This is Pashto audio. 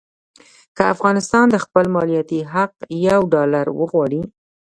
که افغانستان د خپل مالیاتي حق یو ډالر وغواړي.